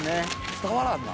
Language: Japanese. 伝わらんな。